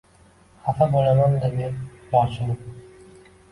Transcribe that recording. Xafa bo‘laman-da men lochinim!